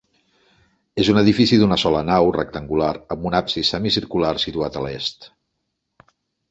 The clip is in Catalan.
És un edifici d'una sola nau, rectangular, amb un absis semicircular situat a l'est.